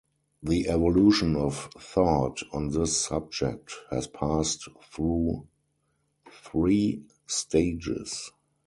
The evolution of thought on this subject has passed through three stages.